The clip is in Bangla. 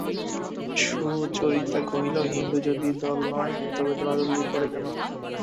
সুচরিতা কহিল, হিন্দু যদি দল নয় তবে দলাদলি করে কেন?